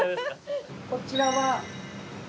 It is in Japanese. こちらは。